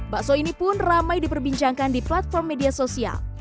bakso ini pun ramai diperbincangkan di platform media sosial